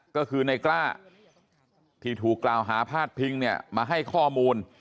ก็คือในกล้าที่ถูกกล่าวหาพาดพิงเนี่ยมาให้ข้อมูล